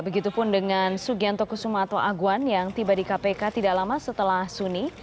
begitupun dengan sugianto kusuma atau aguan yang tiba di kpk tidak lama setelah suni